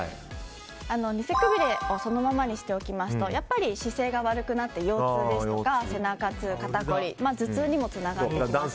ニセくびれをそのままにしておきますとやっぱり姿勢が悪くなって腰痛や背中痛、肩こり、頭痛にもつながっていきます。